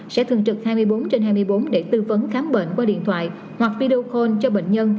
sẽ thường trực hai mươi bốn trên hai mươi bốn để tư vấn khám bệnh qua điện thoại hoặc video call cho bệnh nhân